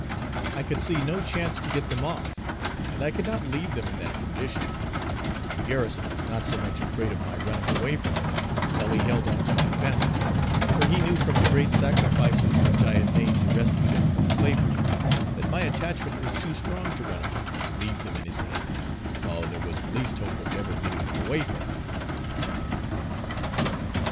I could see no chance to get them off, and I could not leave them in that condition and Garrison was not so much afraid of my running away from him while he held on to my family, for he knew from the great sacrifices which I had made to rescue them from slavery, that my attachment was too strong to run off and leave them in his hands, while there was the least hope of ever getting them away with me.